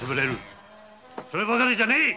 そればかりじゃねえ！